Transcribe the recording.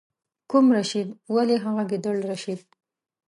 کوم رشید؟ ولې هغه ګیدړ رشید.